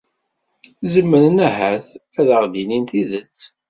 Zemren, ahat, ad aɣ-d-inin tidet.